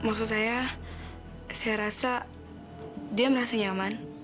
maksud saya saya rasa dia merasa nyaman